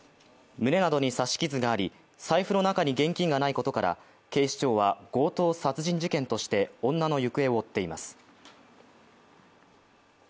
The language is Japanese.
胸などに刺し傷があり、財布の中に現金がないことから警視庁は強盗殺人事件として女の行方を追っています。